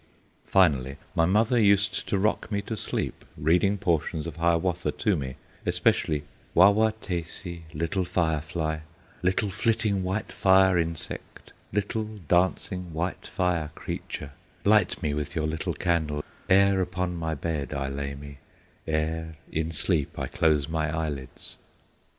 Finally, my mother used to rock me to sleep reading portions of Hiawatha to me, especially: "Wah wah taysee, little fire fly, Little, flitting, white fire insect Little, dancing, white fire creature, Light me with your little candle, Ere upon my bed I lay me, Ere in sleep I close my eyelids!"